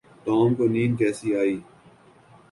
Tom کو نیند کیسی ائی؟